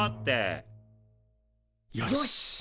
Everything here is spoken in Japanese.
よし！